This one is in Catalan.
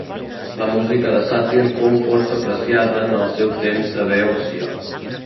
La música de Sàtir fou força apreciada en el seu temps a Beòcia.